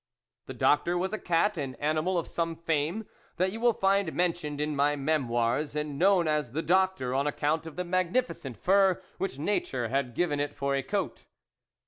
The Doctor was a cat, an animal of some fame, that you will find mentioned in my Memoires and known as the Doctor on account of the magnificent fur which nature had given it for a coat.